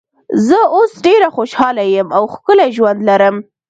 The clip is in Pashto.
زه اوس ډېره خوشاله یم او ښکلی ژوند لرو.